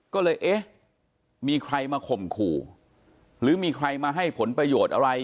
ก็เลยเอ๊ะมีใครมาข่มขู่หรือมีใครมาให้ผลประโยชน์อะไร